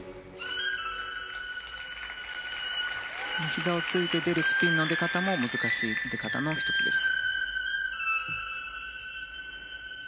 ひざをついて出るスピンの出方も難しい出方の１つです。